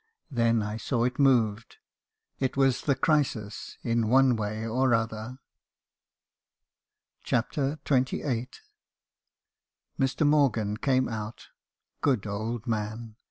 Then I saw it moved. It was the crisis, in one way or other." CHAPTEE XXVni. "Mr. Morgan came out. Good old man!